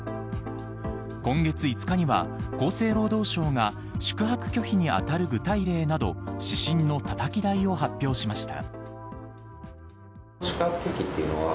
今月５日には厚生労働省が宿泊拒否にあたる具体例など指針のたたき台を発表しました。